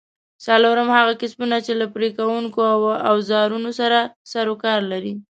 څلورم: هغه کسبونه چې له پرې کوونکو اوزارونو سره سرو کار لري؟